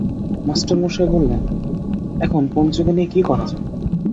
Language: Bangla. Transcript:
মাস্টারমশায় বললেন, এখন পঞ্চুকে নিয়ে কী করা যায়?